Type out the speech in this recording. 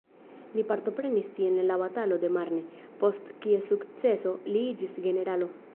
Li partoprenis tiel en la batalo de Marne, post kies sukceso, li iĝis generalo.